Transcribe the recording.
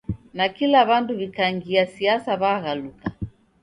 Nakila w'andu w'ikangia siasa w'aghaluka